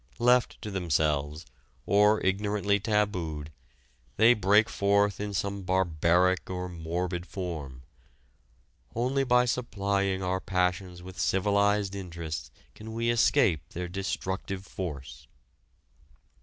Left to themselves, or ignorantly tabooed, they break forth in some barbaric or morbid form. Only by supplying our passions with civilized interests can we escape their destructive force.